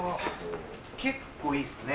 結構いいっすね。